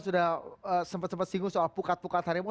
sudah sempat sempat singgung soal pukat pukat harimau